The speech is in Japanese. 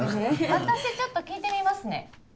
私ちょっと聞いてみますね。